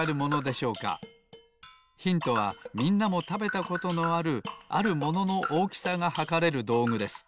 ヒントはみんなもたべたことのあるあるもののおおきさがはかれるどうぐです。